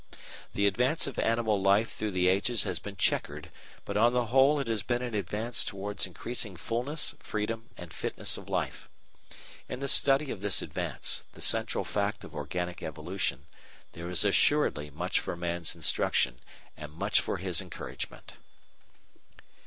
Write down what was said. The advance of animal life through the ages has been chequered, but on the whole it has been an advance towards increasing fullness, freedom, and fitness of life. In the study of this advance the central fact of Organic Evolution there is assuredly much for Man's instruction and much for his encouragement.